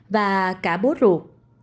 và cả bố ruột